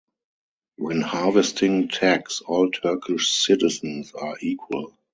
When harvesting tax, all Turkish citizens are equal.